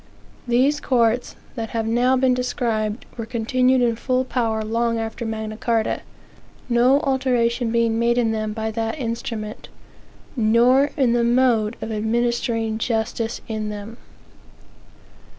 These courts, that have now been described, were continued in full power long after Magna Carta, no alteration being made in them by that instrument, nor in the mode of administering justice in them.